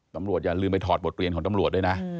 อย่าลืมไปถอดบทเรียนของตำรวจด้วยนะ